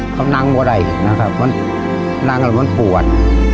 เขานั่งมั่วได้นะครับมันนั่งแล้วมันปวด